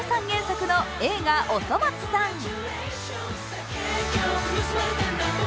原作の映画「おそ松さん」